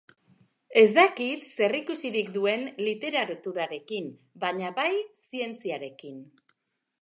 Ez dakit zer ikusirik duen literaturarekin, baina bai zientziarekin.